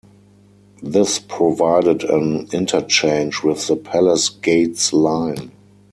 This provided an interchange with the Palace Gates Line.